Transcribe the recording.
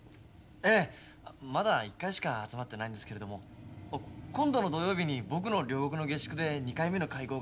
ええまだ１回しか集まってないんですけれども今度の土曜日に僕の両国の下宿で２回目の会合があるんです。